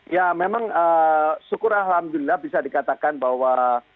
ya memang syukur alhamdulillah bisa dikatakan bahwa